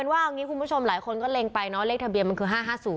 ว่าอย่างนี้คุณผู้ชมหลายคนก็เล็งไปเนาะเลขทะเบียนมันคือ๕๕๐